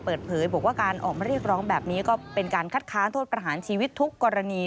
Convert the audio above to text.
เปิดเผยบอกว่าการออกมาเรียกร้องแบบนี้ก็เป็นการคัดค้านโทษประหารชีวิตทุกกรณี